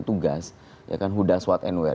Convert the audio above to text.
tugas ya kan hudah swat and ware